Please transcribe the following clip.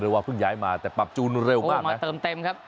ว่าเพิ่งย้ายมาแต่ปรับจูนเร็วมากมาเติมเต็มครับ